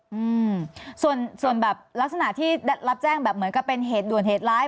อืมส่วนส่วนแบบลักษณะที่ได้รับแจ้งแบบเหมือนกับเป็นเหตุด่วนเหตุร้าย